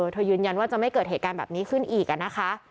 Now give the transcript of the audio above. ยืนยันว่าจะไม่เกิดเหตุการณ์แบบนี้ขึ้นอีกนะคะ